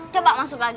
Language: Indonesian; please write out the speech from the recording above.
coba masuk lagi